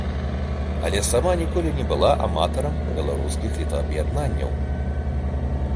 Але сама ніколі не была аматарам беларускіх літаб'яднанняў.